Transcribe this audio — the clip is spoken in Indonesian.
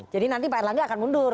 jadi nanti pak erlangga akan mundur